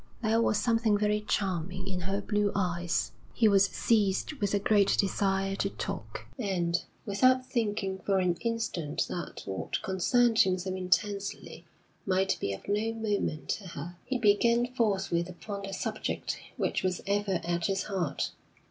There was something very charming in her blue eyes. He was seized with a great desire to talk. And, without thinking for an instant that what concerned him so intensely might be of no moment to her, he began forthwith upon the subject which was ever at his heart.